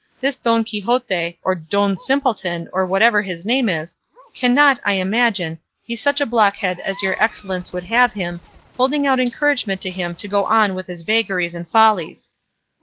This Don Quixote, or Don Simpleton, or whatever his name is, cannot, I imagine, be such a blockhead as your excellence would have him, holding out encouragement to him to go on with his vagaries and follies."